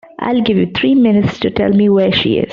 I'll give you three minutes to tell me where she is.